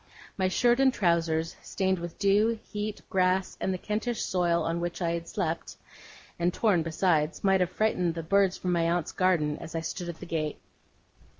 My shirt and trousers, stained with heat, dew, grass, and the Kentish soil on which I had slept and torn besides might have frightened the birds from my aunt's garden, as I stood at the gate.